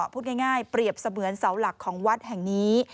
พูดง่ายเปรียบเสมือนเสาหลักของวัดแห่งนี้